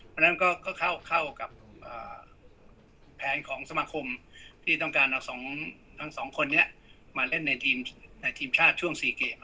เพราะฉะนั้นก็เข้ากับแผนของสมาคมที่ต้องการเอาทั้งสองคนนี้มาเล่นในทีมชาติช่วง๔เกม